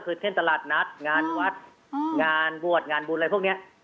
คือเช่นตลาดนัดงานวัดงานบวชงานบุญอะไรพวกนี้